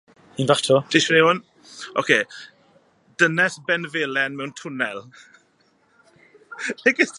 Dynes benfelen mewn twnnel.